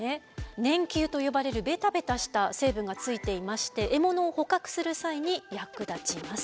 粘球と呼ばれるベタベタした成分がついていまして獲物を捕獲する際に役立ちます。